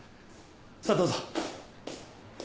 さあどうぞ。